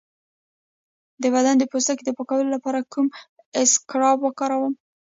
د بدن د پوستکي د پاکولو لپاره کوم اسکراب وکاروم؟